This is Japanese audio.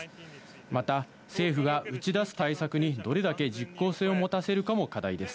また、政府が打ち出す対策にどれだけ実効性を持たせるかも課題です。